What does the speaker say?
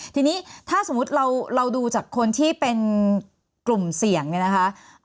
ทีนี้ถ้าสมมุติเราดูจากคนที่เป็นกลุ่มเสี่ยงเนี่ยนะคะ